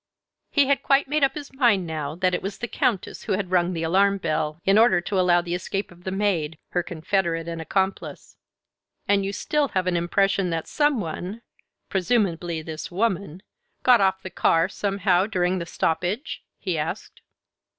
He had quite made up his mind now that it was the Countess who had rung the alarm bell, in order to allow of the escape of the maid, her confederate and accomplice. "And you still have an impression that some one presumably this woman got off the car, somehow, during the stoppage?" he asked.